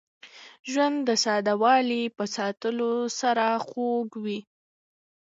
ژوند د ساده والي په ساتلو سره خوږ وي.